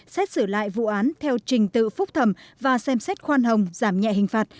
xét xử lại vụ án theo trình tự phúc thẩm và xem xét khoan hồng giảm nhẹ hình phạt